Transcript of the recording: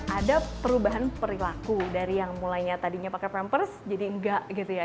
ada perubahan perilaku dari yang mulainya tadinya pakai pampers jadi enggak gitu ya